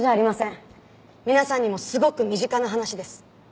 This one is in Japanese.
皆さんにもすごく身近な話です。